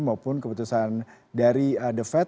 maupun keputusan dari the fed